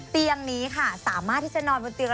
เตียงนี้ค่ะสามารถที่จะนอนบนเตียง